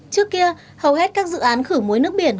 trước kia hầu hết các dự án khử muối nước biển